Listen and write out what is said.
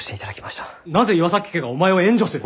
なぜ岩崎家がお前を援助する！？